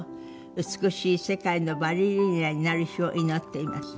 「美しい世界のバレリーナになる日を祈っています」